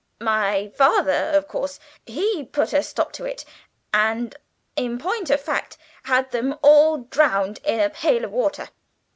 my father, of course, he put a stop to it; and, in point of fact, had them all drowned in a pail of water."